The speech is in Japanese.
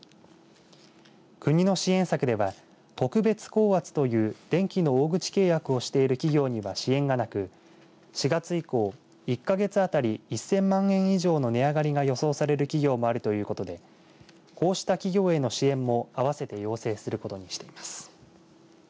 国の支援策では特別高圧という電気の大口契約をしている企業には支援がなく、４月以降１か月当たり１０００万円以上の値上がりも予想される企業もあるということでこうした企業への支援も合わせて要請することにしています。